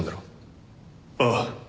ああ。